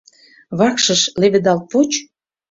— Вакшыш леведалт воч.